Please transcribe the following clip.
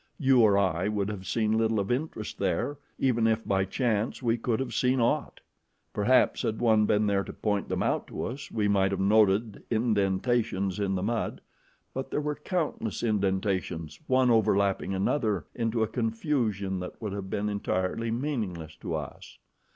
You or I would have seen little of interest there, even if, by chance, we could have seen aught. Perhaps had one been there to point them out to us, we might have noted indentations in the mud, but there were countless indentations, one overlapping another into a confusion that would have been entirely meaningless to us.